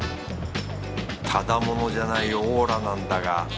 ただ者じゃないオーラなんだが。